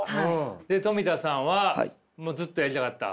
でトミタさんはもうずっとやりたかった？